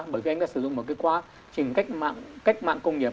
bởi vì anh đã sử dụng một cái quá trình cách mạng công nghiệp